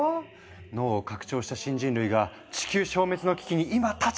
脳を拡張した新人類が地球消滅の危機に今立ち向かう！